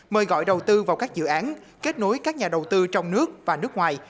mời gọi đầu tư vào các dự án kết nối các nhà đầu tư trong nước và nước ngoài